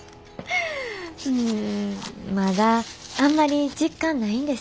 まだあんまり実感ないんです。